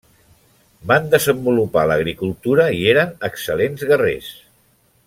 Van desenvolupar l'agricultura i eren excel·lents guerrers.